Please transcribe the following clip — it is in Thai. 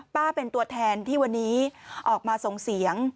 เป็นตัวแทนที่วันนี้ออกมาส่งเสียง